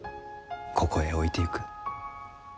ここへ置いてゆく。